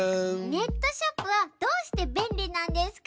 ネットショップはどうしてべんりなんですか？